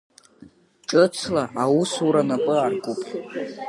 Ҿыцла аусура напы аркуп.